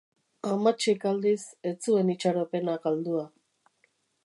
Amatxik aldiz, ez zuen itxaropena galdua.